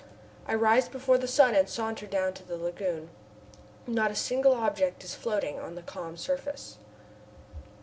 I rise before the sun and saunter down to the lagoon. Not a single object is floating on its calm surface.